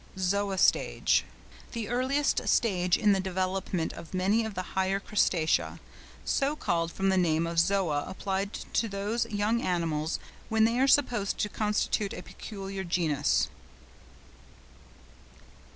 ZOËA STAGE.—The earliest stage in the development of many of the higher Crustacea, so called from the name of Zoëa applied to these young animals when they were supposed to constitute a peculiar genus.